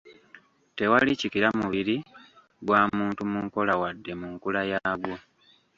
Tewali kikira mubiri gwa muntu mu nkola wadde mu nkula yaagwo.